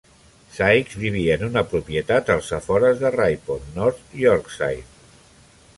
Sykes vivia en una propietat als afores de Ripon, North Yorkshire.